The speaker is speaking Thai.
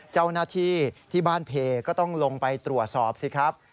เจ้าหน้าที่ที่บ้านเพก็ต้องลงไปตรวจสอบสิครับ